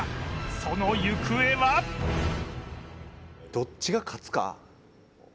その行方は？どっちが勝つか。